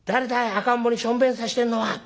赤ん坊にしょんべんさせてんのは」。